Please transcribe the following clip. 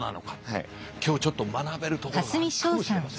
今日ちょっと学べるところがあるかもしれません。